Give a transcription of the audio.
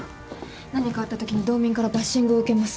何かあったときに道民からバッシングを受けます。